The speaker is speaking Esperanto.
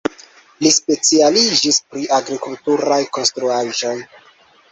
Li specialiĝis pri agrikulturaj konstruaĵoj.